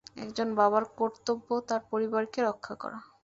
একজন বাবার কর্তব্য তার পরিবারকে রক্ষা করা।